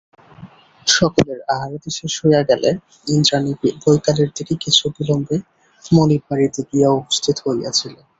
সকলের আহারাদি শেষ হইয়া গেলে ইন্দ্রাণী বৈকালের দিকে কিছু বিলম্বে মনিববাড়িতে গিয়া উপস্থিত হইয়াছিল।